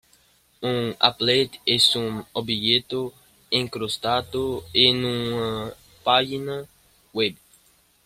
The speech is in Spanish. Un applet es un objeto incrustado en una página web.